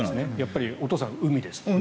お父さん、海ですもんね。